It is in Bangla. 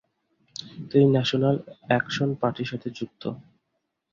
তিনি ন্যাশনাল অ্যাকশন পার্টির সাথে যুক্ত।